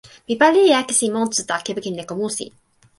mi pali e akesi monsuta kepeken leko musi.